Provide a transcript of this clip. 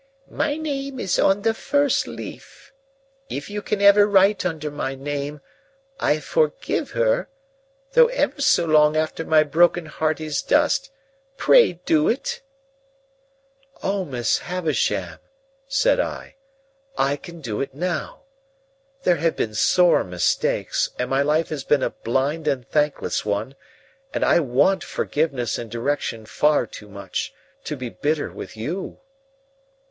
"My name is on the first leaf. If you can ever write under my name, "I forgive her," though ever so long after my broken heart is dust pray do it!" "O Miss Havisham," said I, "I can do it now. There have been sore mistakes; and my life has been a blind and thankless one; and I want forgiveness and direction far too much, to be bitter with you."